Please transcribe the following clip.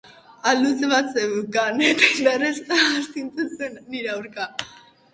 Uhal luze bat zeukan eta indarrez astintzen zuen nire aurka.